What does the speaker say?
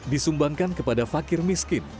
disumbangkan kepada fakir miskin